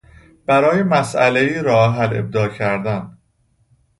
برای مسئلهای راه حل ابداع کردن